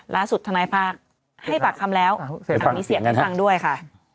ล้าสุดธนายภาคให้ปากคำแล้วอันนี้เสียงได้ฟังด้วยค่ะ